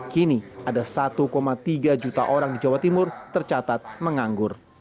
kini ada satu tiga juta orang di jawa timur tercatat menganggur